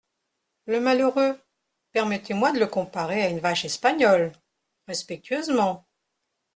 Le malheureux ! permettez-moi de le comparer à une vache espagnole… respectueusement !